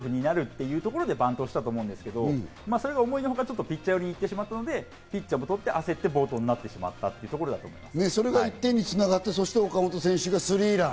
大谷選手はもちろん、それを見て、あそこにバントしたらセーフになるというところでバントをしたと思うんですけど、思いのほかピッチャー寄りに行ってしまったのでピッチャーも取って焦って、暴投になってしまったというところだと思います。